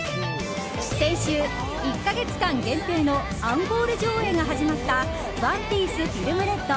先週、１か月間限定のアンコール上映が始まった「ＯＮＥＰＩＥＣＥＦＩＬＭＲＥＤ」。